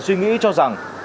suy nghĩ cho rằng